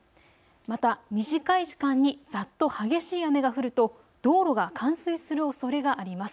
また短い時間にざっと激しい雨が降ると道路が冠水するおそれがあります。